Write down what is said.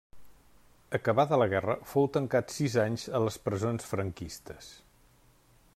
Acabada la guerra fou tancat sis anys a les presons franquistes.